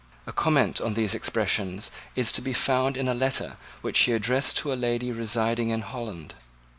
A comment on these expressions is to be found in a letter which he addressed to a lady residing in Holland.